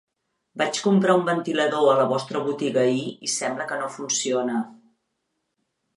Vaig comprar un ventilador a la vostra botiga ahir i sembla que no funciona.